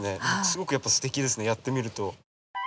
すごくやっぱすてきですねやってみると。